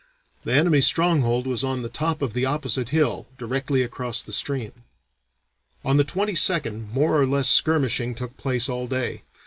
The enemy's stronghold was on the top of the opposite hill directly across the stream." On the 22nd more or less skirmishing took place all day.